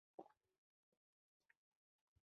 د هغې ناروغۍ له کبله چې ورپېښه شوې وه ومړ.